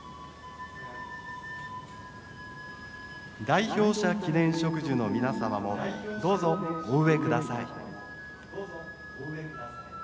「代表者記念植樹の皆様もどうぞお植えください」。